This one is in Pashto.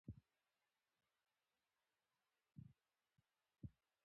سوداګري مالي څارنې ته اړتیا لري.